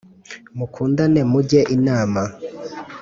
mukundane mujye inama